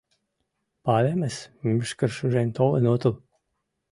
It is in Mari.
— Палемыс: мӱшкыр шужен толын отыл.